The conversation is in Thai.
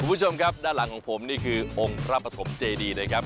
คุณผู้ชมครับด้านหลังของผมนี่คือองค์พระปฐมเจดีนะครับ